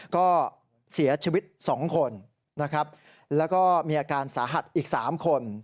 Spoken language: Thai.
ก็เสียชีวิต๒คนนะครับแล้วก็มีอาการสาหัสอีก๓คน